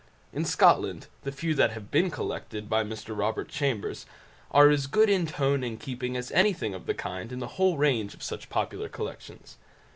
In Scotland the few that have been collected by Mr Robert Chambers are as good in tone and keeping as anything of the kind in the whole range of such popular collections.